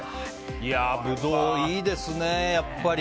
ブドウいいですね、やっぱり。